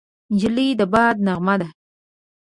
نجلۍ د باد نغمه ده.